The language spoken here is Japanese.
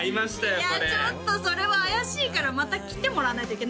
これちょっとそれは怪しいからまた来てもらわないといけないですね